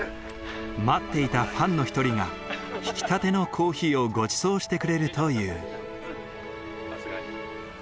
待っていたファンの一人がひきたてのコーヒーをごちそうしてくれるという。